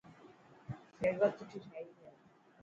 شربت سٺي ٺاهي هي.